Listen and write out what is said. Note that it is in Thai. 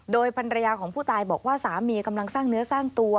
โดยภรรยาของผู้ตายบอกว่าสามีกำลังสร้างเนื้อสร้างตัว